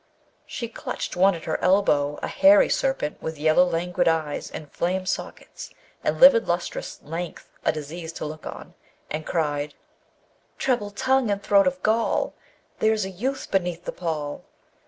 She clutched one at her elbow, a hairy serpent with yellow languid eyes in flame sockets and livid lustrous length a disease to look on, and cried: Treble tongue and throat of gall! There's a youth beneath the pall.